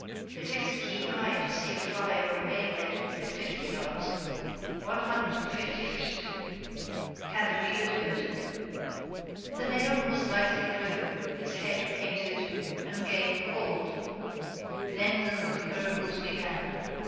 It takes a keen eye to see a fly or a nailhead at fifty yards one hundred and fifty feet. Can the reader do it? The nail was lightly driven, its head painted, and game called. Then the Cooper miracles began.